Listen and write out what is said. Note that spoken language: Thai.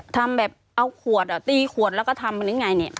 ทำแบบเอาขวดอ่ะตีขวดแล้วก็ทำมันหรือไงเนี่ย